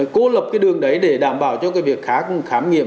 cố lập cái đường đấy để đảm bảo cho cái việc khám nghiệm